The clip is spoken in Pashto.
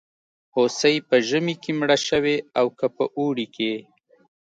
هوسۍ په ژمي کې مړه شوې او که په اوړي کې.